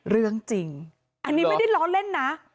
เรื่องจริงอันนี้ไม่ได้ล้อเล่นนะ